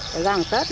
rồi gần tết thì cũng